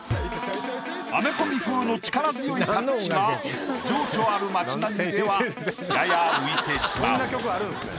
アメコミ風の力強いタッチが情緒ある街並みではやや浮いてしまう。